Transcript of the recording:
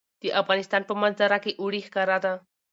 د افغانستان په منظره کې اوړي ښکاره ده.